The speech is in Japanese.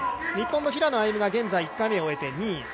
日本の平野歩夢が現在、１回目を終えて、２位。